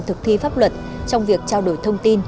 thực thi pháp luật trong việc trao đổi thông tin